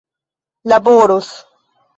laboros